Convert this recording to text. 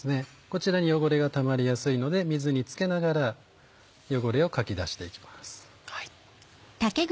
こちらに汚れがたまりやすいので水につけながら汚れをかき出して行きます。